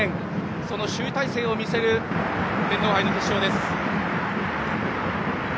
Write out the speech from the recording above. その集大成を見せる天皇杯の決勝。